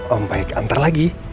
om baik antar lagi